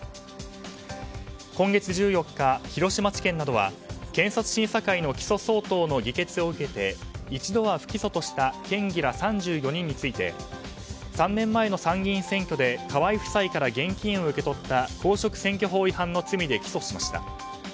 今月１４日、広島地検などは検察審査会の起訴相当の議決を受けて一度は不起訴とした県議ら３４人について３年前の参議院選挙で河井夫妻から現金を受け取った公職選挙法違反の罪で起訴しました。